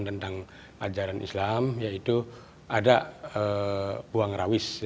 terutama di dalam ajaran islam yaitu ada buang rawis